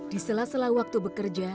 di sela sela waktu bekerja